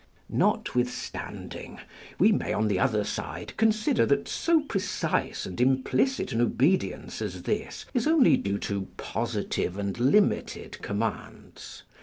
Notwithstanding, we may on the other side consider that so precise and implicit an obedience as this is only due to positive and limited commands.